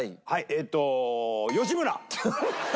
えーっと吉村！